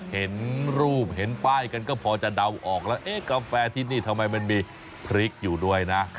เห็นรูปเห็นป้ายกันก็พอจะเดาออกแล้วเอ๊ะกาแฟที่นี่ทำไมมันมีพริกอยู่ด้วยนะ